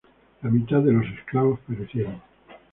La mitad de los esclavos perecieron.